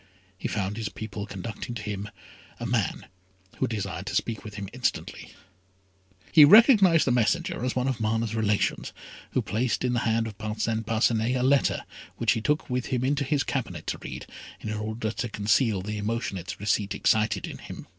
He found his people conducting to him, a man who desired to speak with him instantly. He recognised the messenger as one of Mana's relations, who placed in the hand of Parcin Parcinet a letter which he took with him into his cabinet to read, in order to conceal the emotion its receipt excited in him.